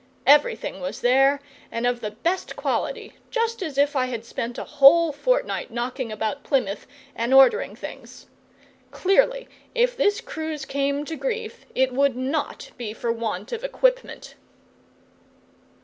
Everything was there, and of the best quality, just as if I had spent a whole fortnight knocking about Plymouth and ordering things. Clearly, if this cruise came to grief, it would not be for want of equipment.